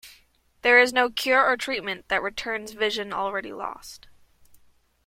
There is no cure or treatment that returns vision already lost.